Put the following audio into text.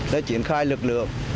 đã triển khai lực lượng